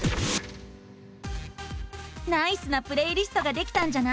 ナイスなプレイリストができたんじゃない！